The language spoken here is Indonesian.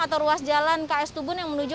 atau ruas jalan ks tubun yang menuju